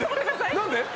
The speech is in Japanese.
何で？